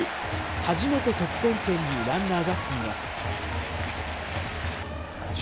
初めて得点圏にランナーが進みます。